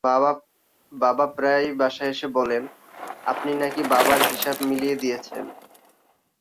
বাবা প্রায়ই বাসায় এসে বলেন, আপনি নাকি বাবার হিসাব মিলিয়ে দিয়েছেন।